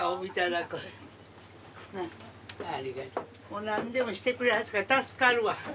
もう何でもしてくれはるさかい助かるわ。